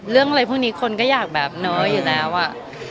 เรื่องอะไรพวกนี้คนก็อยากแบบน้อยอยู่แล้วอ่ะ